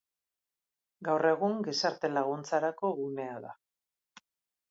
Gaur egun gizarte laguntzarako gunea da.